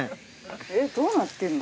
えっどうなってんの？